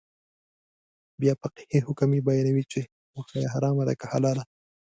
بیا فقهي حکم یې بیانوي چې غوښه یې حرامه ده که حلاله.